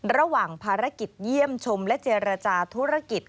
ระหว่างภารกิจเยี่ยมชมและเจรจาธุรกิจ